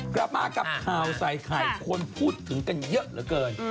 กลับมากับข่าวใส่ไข่คนพูดถึงกันเยอะเหลือเกิน